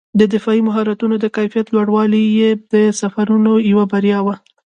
د دفاعي مهارتونو د کیفیت لوړوالی یې د سفرونو یوه بریا وه.